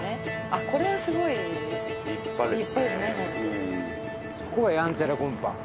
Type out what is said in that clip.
「これは、すごい立派ですね」